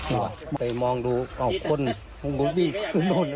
เข้าไปมองดูพวกเขาคนขึ้นมาตรงนั้น